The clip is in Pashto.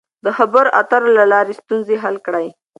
د خبرو اترو له لارې ستونزې حل کړئ.